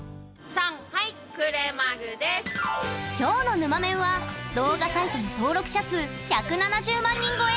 さんはい今日のぬまメンは動画サイトの登録者数１７０万人超え！